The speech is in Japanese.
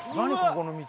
ここの道。